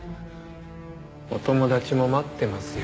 お友達も待ってますよ。